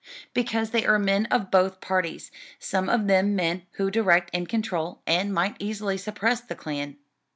because they are men of both parties; some of them men who direct and control, and might easily suppress the Klan.